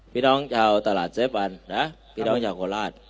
พี่น้องชาวตลาดเซฟวันนะพี่น้องชาวโคราช